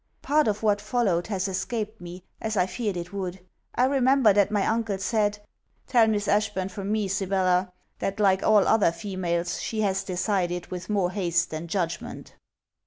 Part of what followed has escaped me, as I feared it would. I remember that my uncle said, 'Tell Miss Ashburn from me, Sibella, that, like all other females, she has decided with more haste than judgment.'